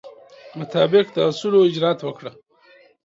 مطابق د اصولو اجرات وکړه.